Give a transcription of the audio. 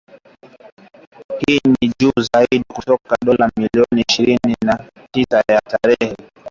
hii ni juu zaidi kutoka dola milioni ishirini na tisa ya tarehe tisa mwezi Disemba elfu mbili na ishirini na moja, ikiwasilisha ukuaji wa asilimia arobaini na nne